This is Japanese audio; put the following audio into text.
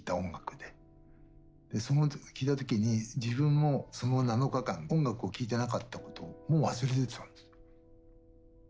でその音聴いた時に自分もその７日間音楽を聴いてなかったことをも忘れてたんです。